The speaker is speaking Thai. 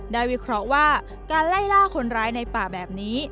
วิเคราะห์ว่าการไล่ล่าคนร้ายในป่าแบบนี้